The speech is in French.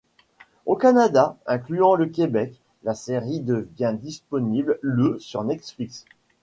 Au Canada, incluant le Québec, la série devient disponible le sur Netflix.